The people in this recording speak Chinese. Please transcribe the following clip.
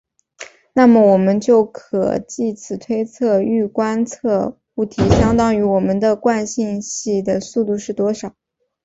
那么我们就可藉此推测欲观测物体相对于我们的惯性系的速度是多少。